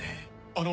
あの。